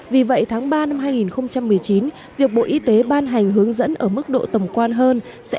vì vậy tháng ba năm hai nghìn một mươi chín việc bộ y tế ban hành hướng dẫn ở mức độ tổng quan hơn